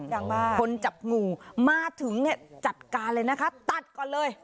ดังมากคนจับงูมาถึงเนี่ยจัดการเลยนะคะตัดก่อนเลย